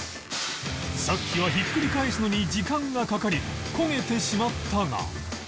さっきはひっくり返すのに時間がかかり焦げてしまったが